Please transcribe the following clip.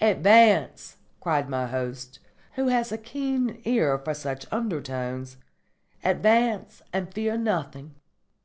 "Advance," cried my host, who had a keen ear for such undertones. "Advance and fear nothing."